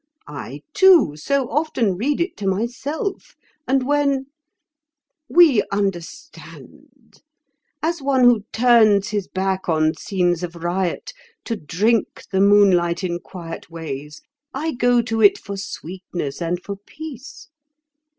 I, too, so often read it to myself; and when— We understand. As one who turns his back on scenes of riot to drink the moonlight in quiet ways, I go to it for sweetness and for peace.